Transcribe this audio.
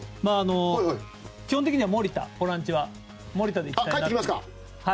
基本的にはボランチは守田で行きたいなと。